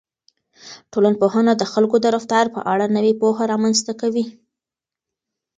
ټولنپوهنه د خلکو د رفتار په اړه نوې پوهه رامنځته کوي.